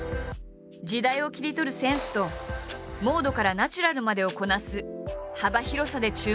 時代を切り取るセンスとモードからナチュラルまでをこなす幅広さで注目された。